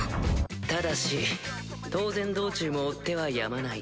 ただし当然道中も追手はやまない。